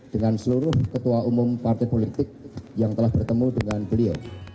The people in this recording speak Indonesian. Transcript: dengan seluruh ketua umum partai politik yang telah bertemu dengan beliau